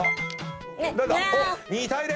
２対０！